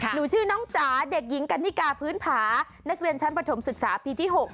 หนูชื่อน้องจ๋าเด็กหญิงกันนิกาพื้นผานักเรียนชั้นประถมศึกษาปีที่๖